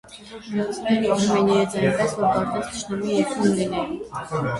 Վրացիները պահում էին իրենց այնպես, որ կարծես թշնամի երկրում լինեին։